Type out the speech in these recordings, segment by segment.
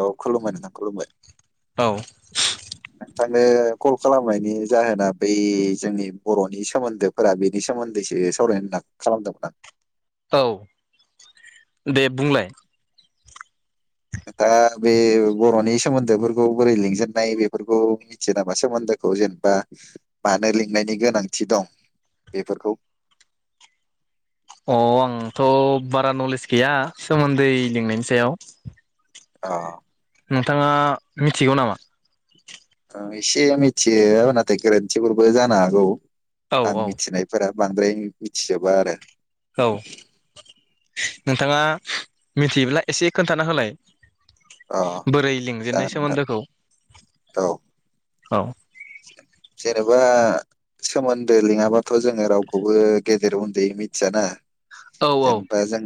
औ खुलुमबाय नोंथां खुलुमबाय। औ। आङो कल खालामनायनि जाहोना बै जोंनि बर'नि सोमोन्दोफोरा बेनि सोमोन्दैसो सावरायनो होन्ना खालामदोंमोन आं। औ दे बुंलाय। दा बे बर'नि सोमोन्दोफोरखौ बोरै लिंजेननाय बेफोरखौ मिथियो नामा सोमोन्दोखौ जेनेबा मानो लिंनायनि गोनांथि दं बेफोरखौ? अ आंथ' बारा नलेज गैया सोमोन्दै लिंनायनि सायाव। अह। नोंथाङा मिथिगौ नामा? ओ एसे मिथियो नाथाय गोरोन्थिफोरबो जानो हागौ औ आं औ मिथिनायफोरा। बांद्राय मिथिजोबा आरो। औ। नोंथाङा मिथियोब्ला एसे खोन्थाना होलाय अ बोरै लिंजेननाय जागोन सोमोन्दोखौ। नोंथां औ औ। जेनेबा सोमोन्दो लिङाबाथ' जोङो रावखौबो गेदेर उन्दैै मिथियाना औ औ जेनेबा जों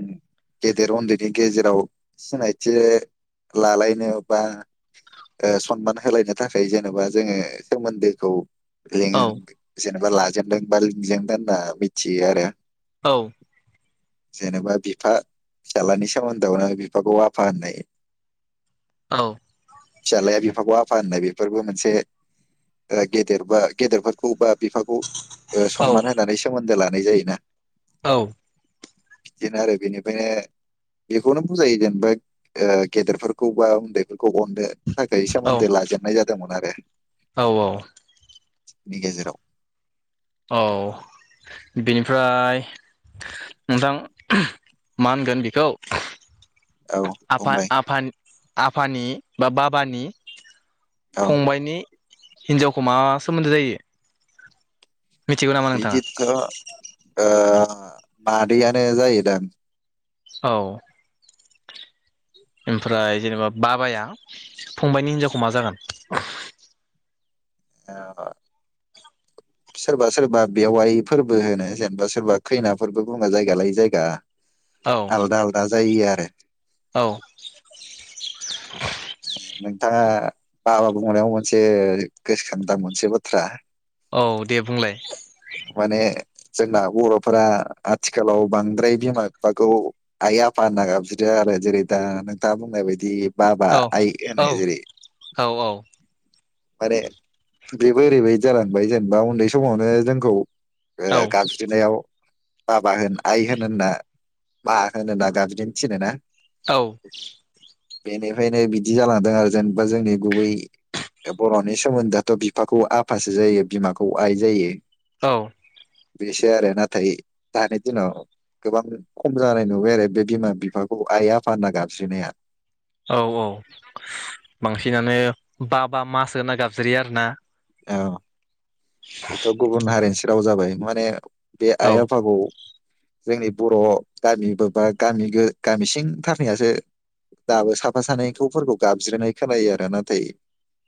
गेदेर उन्दैनि गेजेराव सिनायथि लालायनो बा ए सनमान होलायनो थाखाय जेनेबा जोङो सोमोन्दोखौ औ लेङो जेन बा लाजेनदों बा लिंजेनदों होनना मिथियो आरो। औ। जेनेबा बिफा फिसाज्लानि सोमोन्दोआवनो बिफाखौ आफा होननाय औ। फिसालाया बिफाखौ आफा होननाय बेफोरबो मोनसे ओ गेदेर बा गेदेरफोरखौ बा बिफाखौ औ सनमान होनानै सोमोन्दो ला मोननाय जायोना। औ। बिदिनो आरो बेनिफ्रायनो बेखौनो बुजायगोनबो जेनेबा गेदेरफोरखौ बा उन्दैफोरखौ खौ अननो थाखाय औ सोमोन्दो लाजेननाय जादोंमोन आरो। औ औ। बि गेजेराव औ बेनिफ्राय नोंथां मा होनगोन बेखौ? औ आफा बुंबाय आफानि आफानि बा बाबानि औ फंबाइनि हिनजावखौ मा सोमोन्दो जायो? मिथिगौ नामा नोंथाङा बिदिथ ओ मादैआनो जायो दां। औ ओमफ्राय जेनेबा बाबाया फंबाइनि हिनजावखौ मा जागोन? सोरबा सोरबा बेवाइफोरबो होनो जेनेबा सोरबा खैनाफोरबो बुङो जायगा लायै जायगा औ आलदा आलदा जायो आरो। औ [unintelligible] नोंथाङा बाबा बुंनायाव मोनसे गोसोखाङोदा मोनसे बाथ्रा औ दे बुंलाय। माने जोंना बर'फोरा आथिखालाव बांद्राय बिमा बिफाखौ आइ आफा होनना गाबज्रियो आरो जेरै दा नोंथाङा बुंनाय बायदि बाबा औ आइ होनो औ जेरै औ माने बेबो ओरैबायदि जालांबाय जेनेबा उन्दै समावनो जों खौ। ओ औ गाबज्रिनायआव बाबा होन आइ होन होनना मा होनना गाबज्रिनो थिनो ना। औ। बेनिफ्रायनो बिदि जालांदों आरो जेनेबा जोंनि गुबै बर'नि सोमोन्दोआथ' बिफाखौ आफासो जायो बिमाखौ आइ जायो। औ। बेसो आरो नाथाय दानि दिनाव गोबां खम जानाय नुबाय आरो बे बिमा बिफाखौ आइ आफा होनना गाबज्रिनाया औ औ बांसिन बांसिननानो बा बा मासो होनना गाबज्रियो आरो ना। औ। बेथ' गुबुन हारिनिसो राव जाबाय माने बे औ आइ आफाखौ जोंनि बर' गामिबो बा गामि गामि सिं थाखाययासो दाबो साफा सानैखौौफोरखौ गाबज्रिनाय खोनायो आरो नाथाय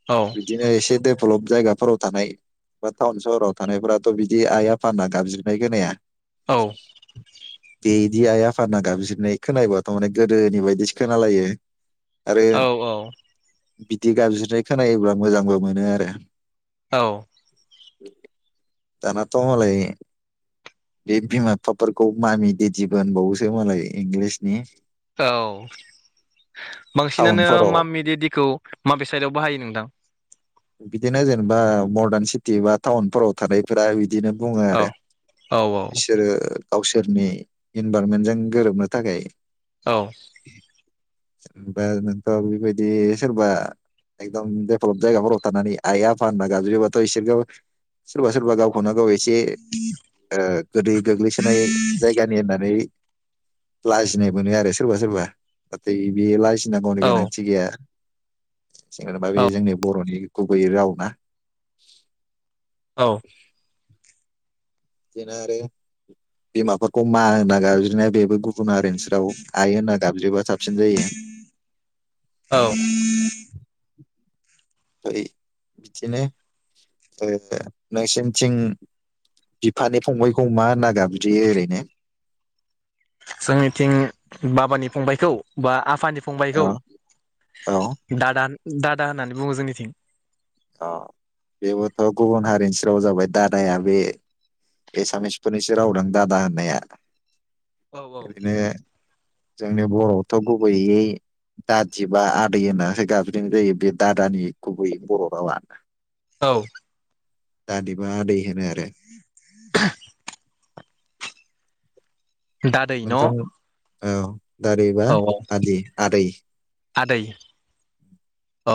औ बिदिनो एसे देफलब जायगा फोराव थानाय बा टाउन सहराव थानायफोराथ' बिदि आइ आफाना गाबज्रिनाय खोनाया । औ । बेदि आइ आफा दा गाबज्रिनाय खोनाबथ' माने गोदोनि बायदिसो खोनालायो । औ औ । बिदि गाबजिनाय खोनायोब्ला मोजांबो मोनो आरो । औ । दानाथ' मालाय बे बिमा बिफाफोरखौ मामि देदि मोनबावोसो मालाय इंलिसनि औ बांसिनानो टाउनफोराव मामि देडिखौ माबे साइदआव बाहायो नोंथां? बिदिनो जेनेबा मर्दान सिटि बा टाउनफोराव थानायफोरा । बिदिनो बुङो औ आरो औ बिसोरो गावसोरनि इनभारनमेन्टजों गोरोबनो थाखाय । औ । बा नोंथ' बेबायदि सोरबा एकदम देभेलप जायगाफोराव थानानै आइ आफा होनना गाज्रिबाथ' इसोरखौ सोरबा सोरबा गाव खौवनो गाव एसे गोदै गोग्लैसोनाय जायगानि होननानै लाजिनाय मोनो आरो सोरबा सोरबा नाथाय बे लाजि नांगनि औ गोनांथि गैया । [unintelligible] बे औ जोंनि बर'नि गुबैयै राव ना । औ । बिदिनो आरो बिमाफोरखौ मा होना गाज्रिनाया बेबो गुबुन हारि निसो राव आइ होनना गाबज्रिबा साबसिन जायो । औ [unintelligible] बिदिनो ओ नोंसिनथिं बिफानि फंबायखौ मा होनना गाबजियो ओरैनो? जोंनिथिं बाबानि फंबायखौ बा आफानि औ फंबायखौ औ दादान दादा होननानै बुङो जोंनिथिं । अ बेबोथ' गुबुन हारिनिसो राव जाबाय दादाया। बे एसामिसफोरनिसो रावदां दादा होननाया? औ औ। ओरैनो जोंनि बर'आवथ' गुबैयै दादि बा आदै होननानैसो गाबज्रिनाय जायो बे दादानि गुबै बर' रावा । औ । दादि बा आदै होनो आरो । [unintelligible] दा दै न' नोंथां औ । दादै बा औ औ आदि आदै आदै [inaudible] औ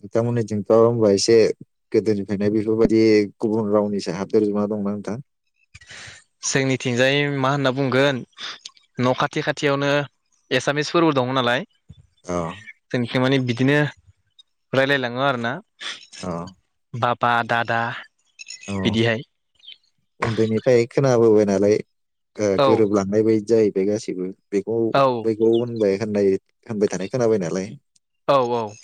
नोंथांमोननिथिंथ' होमबा एसे गोदोनिफ्रायनो बेफोरबायदि गुबुन रावनिसो हाबदेरजोबना दंना नोंथां? जोंनिथिंजाय मा होनना बुंगोन न' खाथि खाथियावनो एसामिस फोरबो दङ नालाय। अ [inaudible] जोंनिखै माने बिदिनो रायलायलाङो आरो ना। औ बाबा दादा बिदिहाय उन्दैनिफ्राय खोनाबोबाय नालाय ओ औ गोरोबलांनाय बायदि जायो बेगासिबो बेखौ औ बैखौ होननाय होननायै होनबाय थानाय खोनाबाय नालाय औ औ [inaudible]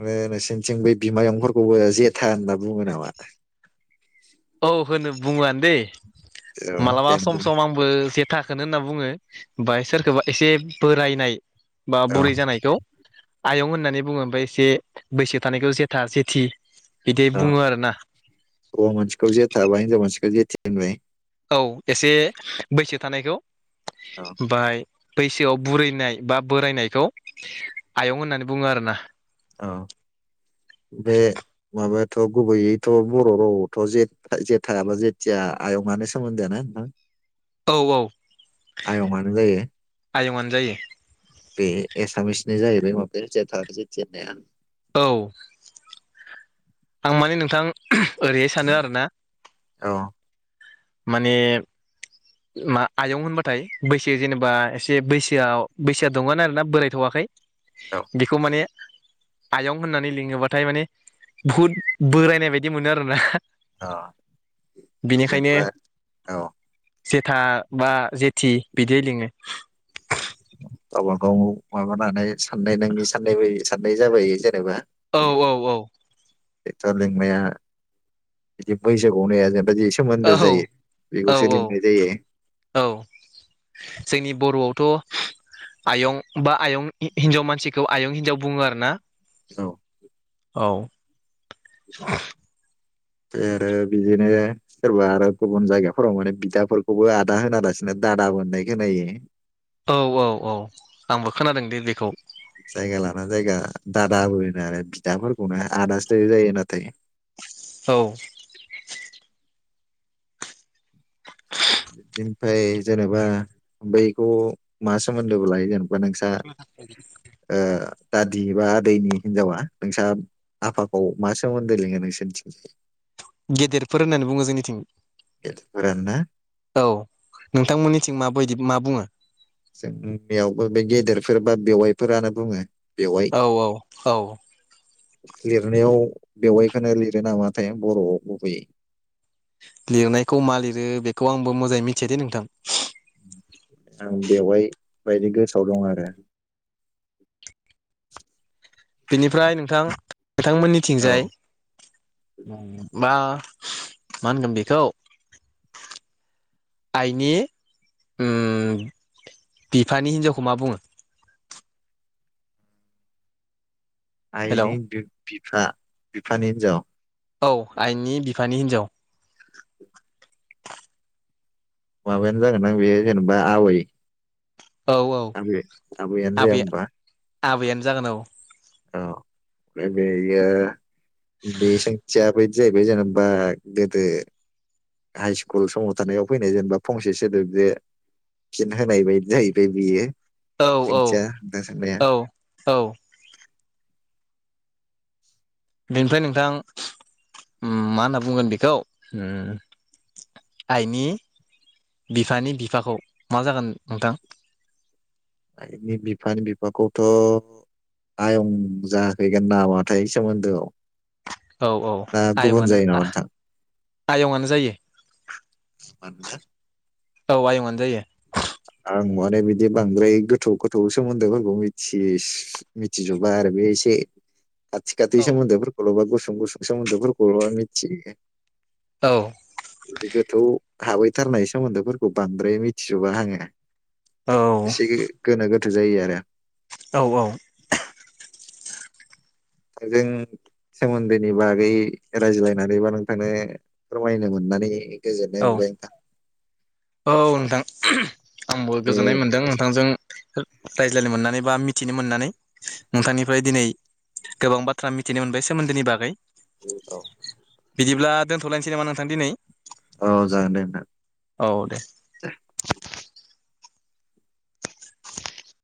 आरो नोंसिनिथिं बे बिमायंफोरखौबो जेथा होनना बुङो नामा? [inaudible] औ होनो बुङोआनो दैे औ मालाबा सम जेनेबा सम आंबो जेथाखोनो होनना बुङो। ओमफाय सोरखौबा एसे बोरायनाय बा औ बुरै जानायखौ आयं होननानै बुङो ओमफाय एसे बैसो थानायखौ जेथा जेथि बिदि बुङो आरो ना। खौ जेथाबाय हिनजाव मानसिखौ जेथे होनबाय। औ एसे बैसो थानायखौ औ बाय बैसोआव बुरैनाय बा बोरायनायखौ आयं होननानै बुङो आरोना। औ, बे माबायाथ' गुबैयैथ' बर' रावआवथ' जे जेथायाबो जेथिया आयङा सोमोन्दोआनो नोंथां? औ औ आयंआनो जायो [inaudible] आयंआनो जायो। बे एसामिसनि जाहैबाय माबाया जेथा आरो जे [unintelligible] औ आं माने नोंथां ओरैहाय सानो आरोना। औ माने मा आयं होनबाथाय बैसो जेनेबा एसे बैसोआव बैसोआ दंगोआनो आरोना बोरायथ'वाखै। औ बेखौ माने आयं होननानै लिङोबाथाय माने बुहुद बोरायनाय बायदि मोनो आरोना अ बेनिखायनो जेनबा औ जेथा बा जेथि बिदि लिङो गावबागावाव माबानानै साननाय नाङि साननाय बै साननाय जाबाय जेनेबा औ औ औ ट्रेक्टर लिंनाया जि सोमोन्दो ओहोव जायो औ बेखौसो औ लिंनाय जायो औ जोंनि बर'आवथ' आयं बा आयं हि-हिन्जाव मानसिखौ आयं हिन्जाव बुङो आरोना औ औ फाइ आरो बिदिनो सोरबा आरो गुबुन जायगाफोराव माने बिदाफोरखौबो आदा होनालासिनो दादा बोहोननाय खोनायो औ औ औ आंबो खोनादों दे बेखौ जायगा लाना जायगा दादाबो होनो आरो बिदाफोरखौनो आदासो जायो नाथाय औ बेनिफ्राय जेनेबा बैखौ मा सोमोन्दोबो लायो जेनेबा बा नोंसा ओ दादि बा आदैनि हिनजावा नोंसा आफाखौ मा सोमोन्दो लिङो नोंसोरनिथिं गेदेरफोर होननानै बुङो जोंनिथिं गेदेरफोरानो ना औ नोंथांमोननिथिं माबायदि मा बुङो जोंनियावबो बे गेदेरफोर बा बेवाइफोरानो बुङो बेवाइ औ औ औ लिरनायाव बेवाइखोनो लिरो नामाथाय बर'आव गुबैयै लिरनायखौ मा लिरो बेखौ आंबो मोजाङै मिथिया दे नोंथां आं बेवाइ बायदि गोसोआव दं आरो बिनिफ्राय नोंथां नोंथांथमोननिथिंजाय औ बा मा होनगोन बेखौ आइनि उम बिफानि हिनजावखौ मा बुङो आइ हेलौ नि बि- बिफा बिफानि हिनजाव औ आइनि बिफानि हिनजाव माबायानो जागोन जां बेयो जेनेबा आबै औ औ आबै आबैयानो जाया आबै ओमबा आबैयानो जागोन औ औ फ्राय बेयो बे सोंथिया बै जाहैबाय जेनेबा गोदो हाइ स्कुल समाव थानायाव फैनाय जेनेबा फंसे सोदोबजो फिन होनाय बायदि जाहैबाय बियो। औ औ सोंथिया दा सोंनाया। औ औ बेनिफ्राय नोंथां मा होनना बुंगोन बेखौ आइनि बिफानि बिफाखौ मा जागोन नोंथां? आइनि बिफानि बिफाखौथ' आयं जाफैगोन नामाथाय सोमोन्दोआव। औ औ ना गुबुन आयंआनो जायो नामा जा नोंथां आयंआनो जायो। जिमाननो औ आयङानो जायो। आं माने बिदि बांद्राय गोथौ गोथौ सोमोन्दोफोरखौ मिथि मिथिजोबा आरो बे एसे खाथि खाथि औ सोमोन्दोफोरखौल'बा गुसुं गुसुं सोमोन्दोफोरखौल' मिथियो। औ बिदि गोथौ हाबैथारनाय सोमोन्दोफोरखौ बांद्राय मिथिजोबा आङो। [inaudible] एसे औ गो गोनो गो थो जायो आरो। औ औ। जों सोमोन्दोनि बागै रायज्लायनानै बा नोंथांनो फोरमायनो मोननानै गोजोननाय औ मोनबाय नोंथां। औ नोंथां। आंबो दिनै गोजोननाय मोन्दों नोंथांजों रा-रायज्लायनो मोननानै बा मिथिनो मोननानै नोंथांनिफ्राय दिनै गोबां बाथ्रा मिथिनो मोनबाय सोमोन्दोनि बागै। औ । बिदिब्ला दोनथ'लायनोसै नामा नोंथां दिनै? अ--जागोन दे नोंथां। औ दे।